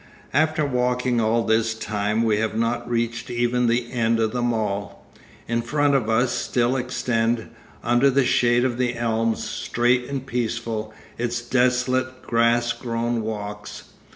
After walking all this time we have not reached even the end of the mall. In front of us still extend, under the shade of the elms, straight and peaceful, its desolate grass grown walks.